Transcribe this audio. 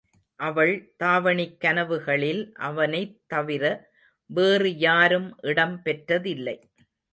அவள் தாவணிக் கனவுகளில் அவனைத் தவிர வேறு யாரும் இடம் பெற்றதில்லை.